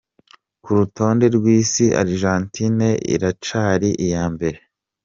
Ku rutonde rw'isi, Argentine iracari iya mbere.